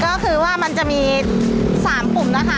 ก็คือว่ามันจะมี๓กลุ่มนะคะ